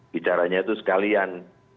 bicaranya itu sekalian